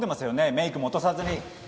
えメイクも落とさずに。